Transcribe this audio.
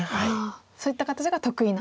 そういった形が得意な。